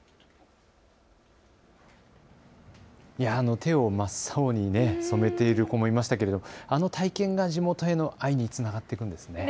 手を真っ青に染めている子もいましたけれどもあの体験が地元への愛につながっていくんですね。